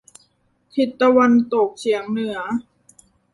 ทิศตะวันตกเฉียงเหนือ